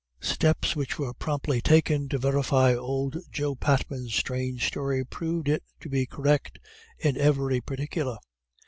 Steps which were promptly taken to verify old Joe Patman's strange story proved it to be correct in every particular.